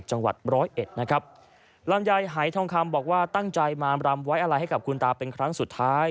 สใจต้องมีลำไยหายท่องคำบอกว่าตั้งใจมาลำไว้อะไรให้กับคุณตาเป็นครั้งสุดท้าย